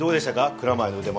蔵前の腕前は。